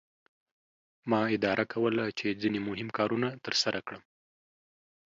ما اداره کوله چې ځینې مهم کارونه ترسره کړم.